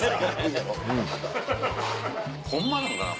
うん。ホンマなのかな？